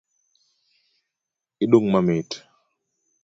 Hidung' mamit .